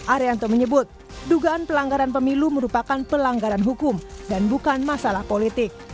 arianto menyebut dugaan pelanggaran pemilu merupakan pelanggaran hukum dan bukan masalah politik